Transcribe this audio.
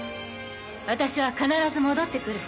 私は必ず戻ってくる。